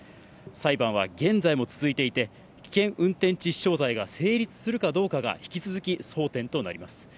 裁判は現在も続いていて、危険運転致死傷罪が成立するかどうかが引き続き争点となります。